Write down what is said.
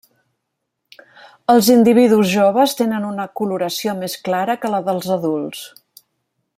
Els individus joves tenen una coloració més clara que la dels adults.